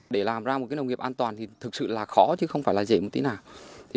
để làm ra một cái nông nghiệp an toàn thì thực sự là khó chứ không phải là dễ một tí nào